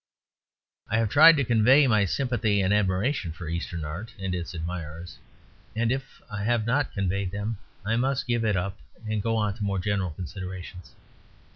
I have tried to convey my sympathy and admiration for Eastern art and its admirers, and if I have not conveyed them I must give it up and go on to more general considerations.